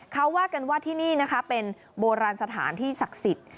เขาว่ากันว่าที่นี่นะคะเป็นโบราณสถานที่ศักดิ์สิทธิ์